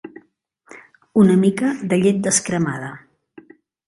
Una mica de llet descremada.